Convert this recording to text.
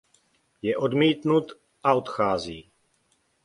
Je odmítnut a odchází.